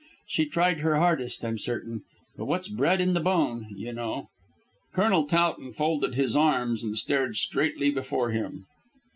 She tried her hardest, I'm certain, but what's bred in the bone, you know." Colonel Towton folded his arms and stared straightly before him.